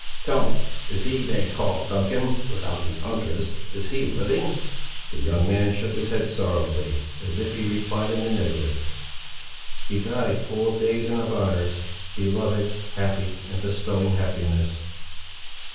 Tell me, is he they call'd Duncan, without the Uncas—is he living?" The young man shook his head sorrowfully, as he replied in the negative. "He died full of days and of honours. Beloved, happy, and bestowing happiness!"